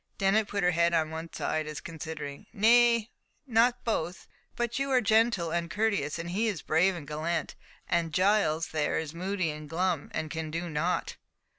Dennet put her head on one side, as considering. "Nay, not both; but you are gentle and courteous, and he is brave and gallant—and Giles there is moody and glum, and can do nought."